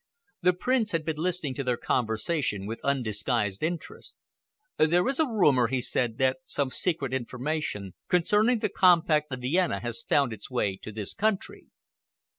The Prince had been listening to their conversation with undisguised interest. "There is a rumor," he said, "that some secret information concerning the compact of Vienna has found its way to this country."